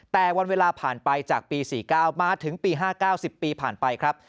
แต่วันเวลาผ่านไปจากปี๔๙มาถึงปี๕๙๐ปีผ่านไปครับ